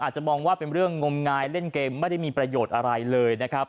อาจจะมองว่าเป็นเรื่องงมงายเล่นเกมไม่ได้มีประโยชน์อะไรเลยนะครับ